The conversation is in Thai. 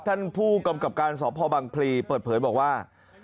ท่านผู้กำกับการสพบังพลีเปิดเผยบอกว่า